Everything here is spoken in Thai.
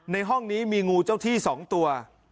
ในห้องนี้มีงูเจ้าที่๒ตัว